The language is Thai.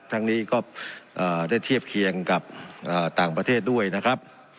ทั้งนี้ก็ได้เทียบเคียงกับต่างประเทศด้วยนะครับ